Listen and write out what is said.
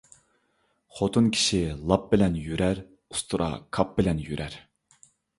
خوتۇن كىشى لاپ بىلەن يۈرەر، ئۇستىرا كاپ بىلەن يۈرەر